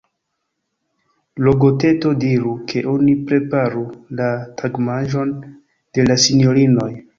Logoteto, diru, ke oni preparu la tagmanĝon de la sinjorinoj.